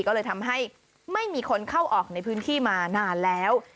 ก็เลยทำให้ไม่มีคนเข้าออกในพื้นที่มานานแล้ว